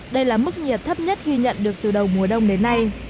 đây là mức nhiệt thấp nhất ghi nhận được từ đầu mùa đông đến nay